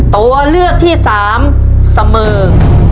ตัวเลือกที่สามเสมิง